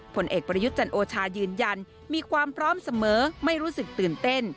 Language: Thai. ผลเอกประยุทธ์จันโอชายืนยันมีความพร้อมเสมอไม่รู้สึกตื่นเต้น